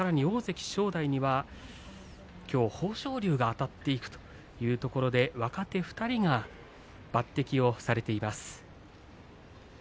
大関正代にはきょう豊昇龍があたっていくというところで若手２人が抜てきされています。